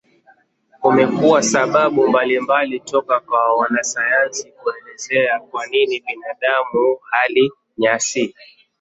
Kumekuwa sababu mbalimbali toka kwa wanasayansi kuelezea kwa nini binadamu hali nyasi.